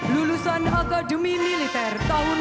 lulusan akademi militer tahun dua ribu